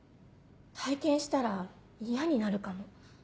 体験したら嫌になるかも。